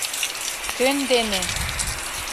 Кӧн дене?